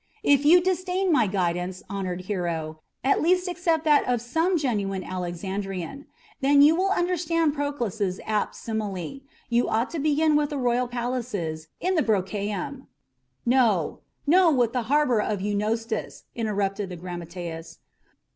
If you disdain my guidance, honoured hero, at least accept that of some genuine Alexandrian. Then you will understand Proclus's apt simile. You ought to begin with the royal palaces in the Brucheium." "No, no with the harbour of Eunostus!" interrupted the grammateus.